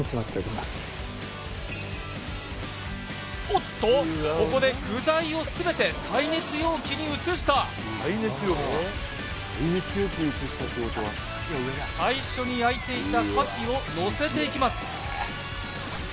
おっとここで具材を全て耐熱容器に移した最初に焼いていた牡蠣をのせていきます